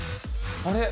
あれ？